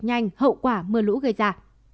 nhanh hậu quả mưa lũ gây ra